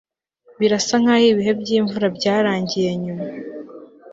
Birasa nkaho ibihe byimvura byarangiye nyuma